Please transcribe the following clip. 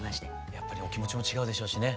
やっぱりお気持ちも違うでしょうしね。